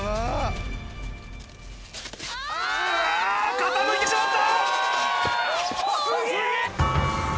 傾いてしまった！